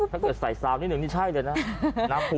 ถ้าเกิดใส่ซาวนิดนึงนี่ใช่เลยนะ